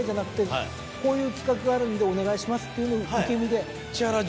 こういう企画があるんでお願いしますというのを受け身で。